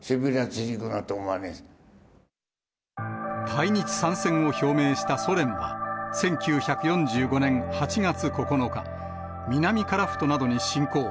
対日参戦を表明したソ連が、１９４５年８月９日、南樺太などに侵攻。